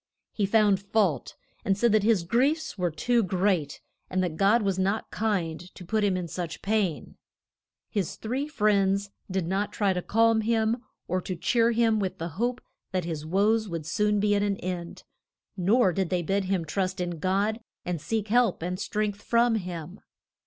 He found fault, and said that his griefs were too great, and that God was not kind to put him in such pain. His three friends did not try to calm him, or to cheer him with the hope that his woes would soon be at an end, nor did they bid him trust in God and seek help and strength from him.